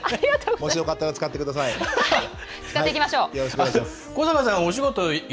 もしよかったら使ってください。